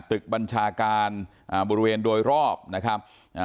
ตึกบัญชาการบริเวณโดยรอบนะครับ